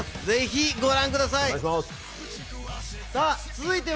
ぜひご覧ください。